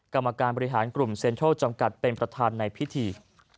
กรรมการบริหารกลุ่มเซ็นทรัลจำกัดเป็นประธานในพิธี